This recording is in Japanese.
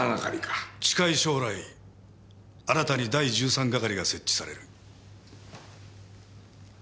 近い将来新たに第１３係が設置される。